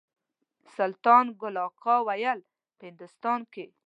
سلطان ګل اکا ویل په هندوستان کې.